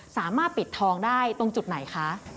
สามารถปิดทองได้ตรงจุดไหนคะ